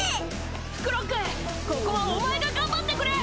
フクロックここはお前が頑張ってくれ！